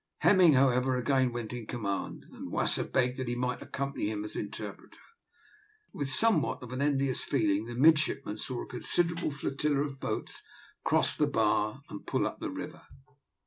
Hemming, however, again went in command, and Wasser begged that he might accompany him as interpreter. With somewhat of an envious feeling the midshipmen saw a considerable flotilla of boats cross the bar and pull up the river.